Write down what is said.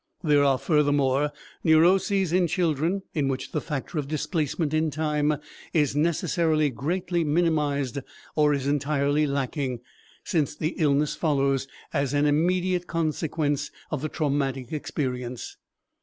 There are, furthermore, neuroses in children in which the factor of displacement in time is necessarily greatly minimized or is entirely lacking, since the illness follows as an immediate consequence of the traumatic experience.